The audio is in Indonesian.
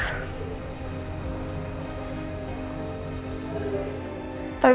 kayaknya aku harus datang pak